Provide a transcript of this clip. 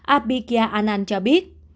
abhigya anand cho biết